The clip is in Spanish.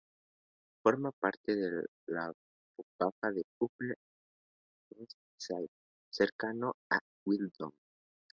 Forma la parte baja del Upper East Side, cercano a Midtown.